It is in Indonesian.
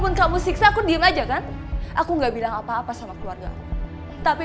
tapi kamu gak bisa menjuarai